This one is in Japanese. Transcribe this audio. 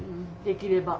できれば。